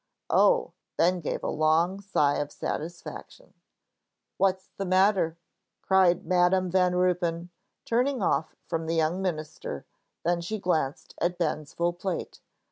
"Oh!" Ben gave a long sigh of satisfaction. "What's the matter?" cried Madam Van Ruypen, turning off from the young minister; then she glanced at Ben's full plate.